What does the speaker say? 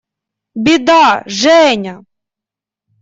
Беда, Женя!